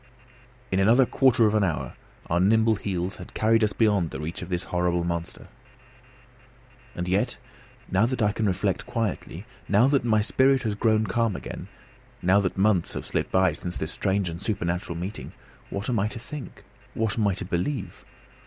In another quarter of an hour our nimble heels had carried us beyond the reach of this horrible monster. And yet, now that I can reflect quietly, now that my spirit has grown calm again, now that months have slipped by since this strange and supernatural meeting, what am I to think? what am I to believe?